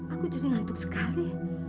aku jadi ngantuk sekali